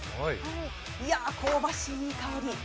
いや、香ばしいいい香り。